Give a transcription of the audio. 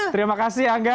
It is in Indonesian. terima kasih angga